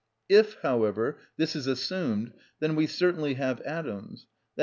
If, however, this is assumed, then we certainly have atoms, _i.